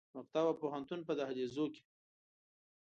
د مکتب او پوهنتون په دهلیزو کې